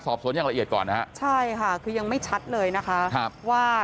สอบสวนอย่างละเอียดก่อนนะฮะใช่ค่ะคือยังไม่ชัดเลยนะคะครับว่า